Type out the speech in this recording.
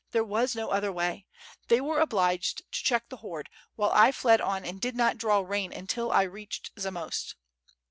there Wi.s no otlier way; they were obliged to check the horde while I fled on and did not draw rein until T reached Zamost."